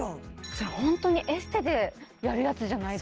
じゃあホントにエステでやるやつじゃないですか？